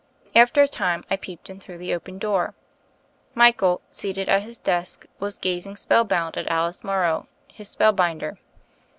After a time I peeped in through the open door. Michael, seated at his desk, was gazing spellbound at Alice Morrow, his spellbinder.